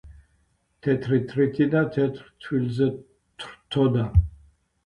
თეთრი თრითინა თეთრ თრთვილზე, თრთოდა